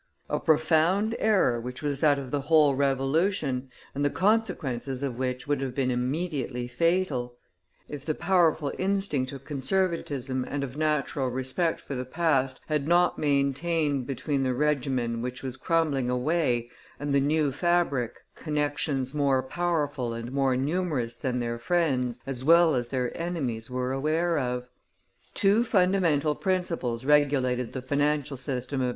A profound error, which was that of the whole Revolution, and the consequences of which would have been immediately fatal; if the powerful instinct of conservatism and of natural respect for the past had not maintained between the regimen which was crumbling away and the new fabric connections more powerful and more numerous than their friends as well as their enemies were aware of. Two fundamental principles regulated the financial system of M.